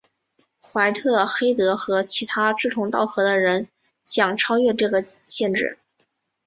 怀特黑德和其他志同道合的人想超越这个限制。